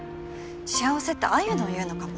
幸せってああいうのを言うのかも。